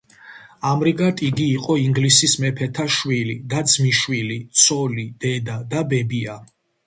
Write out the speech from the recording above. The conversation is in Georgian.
ამრიგად იგი იყო ინგლისის მეფეთა შვილი, და, ძმიშვილი, ცოლი, დედა და ბებია.